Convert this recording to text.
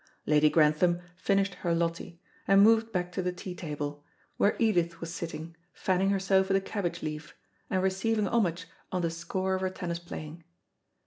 Lady Grantham finished her Loti, and moved back to the tea table, where Edith was sitting, fanning herself with a cabbage leaf, and receiving homage on the score of her tennis playing.